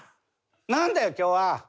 「なんだよ今日は！」。